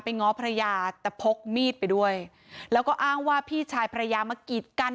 ง้อภรรยาแต่พกมีดไปด้วยแล้วก็อ้างว่าพี่ชายภรรยามากีดกัน